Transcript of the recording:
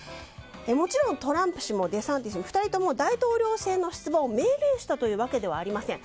もちろんトランプ氏もデサンティス氏も大統領選の出馬を明言したというわけではありません。